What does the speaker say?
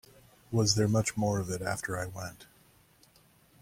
Was there much more of it after I went?